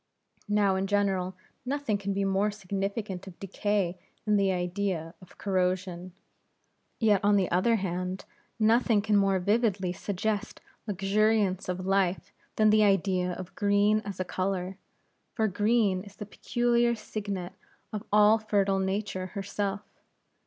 Now in general nothing can be more significant of decay than the idea of corrosion; yet on the other hand, nothing can more vividly suggest luxuriance of life, than the idea of green as a color; for green is the peculiar signet of all fertile Nature herself.